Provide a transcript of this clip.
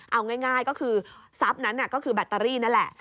เอาง่ายก็คือทรัพย์นั้นก็คือแบตเตอรี่นั่นแหละ